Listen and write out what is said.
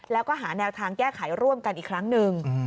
แล้วก็หาแนวทางแก้ไขร่วมกันอีกครั้งหนึ่ง